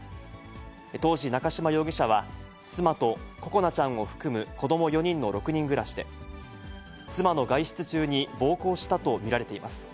当時、中島容疑者は妻と心絆ちゃんを含む子ども４人の６人暮らしで、妻の外出中に暴行したと見られています。